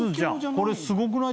これすごくない？